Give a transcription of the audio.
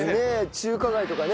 中華街とかね